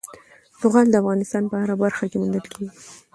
زغال د افغانستان په هره برخه کې موندل کېږي.